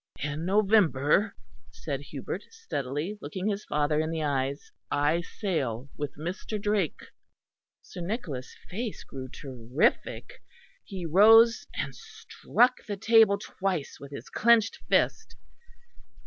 "In November," said Hubert steadily, looking his father in the eyes, "I sail with Mr. Drake." Sir Nicholas' face grew terrific. He rose, and struck the table twice with his clenched fist.